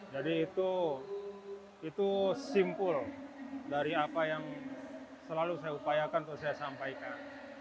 jadi itu simpul dari apa yang selalu saya upayakan atau saya sampaikan